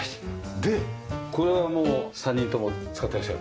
でこれはもう３人とも使ってらっしゃる？